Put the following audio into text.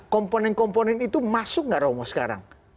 komponen komponen itu masuk nggak romo sekarang